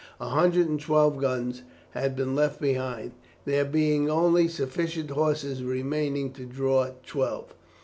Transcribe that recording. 112 guns had been left behind, there being only sufficient horses remaining to draw twelve.